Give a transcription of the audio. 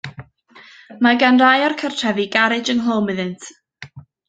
Mae gan rai o'r cartrefi garej ynghlwm iddynt.